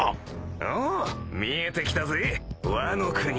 おおっ見えてきたぜワノ国。